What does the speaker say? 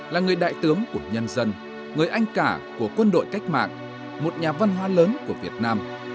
là người đại tướng của nhân dân người anh cả của quân đội cách mạng một nhà văn hóa lớn của việt nam